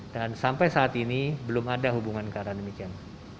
dan sampai saat ini belum ada hubungan ke arah demikian